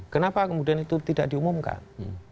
kenapa kemudian itu tidak diumumkan